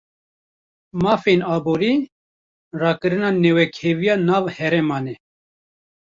Mafên aborî, rakirina newekheviya nav herêman e